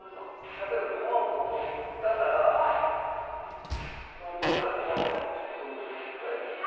例えば駒を取ったらその取った駒はその時使えるんですか？